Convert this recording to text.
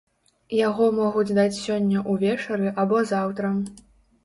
Яго могуць даць сёння ўвечары або заўтра.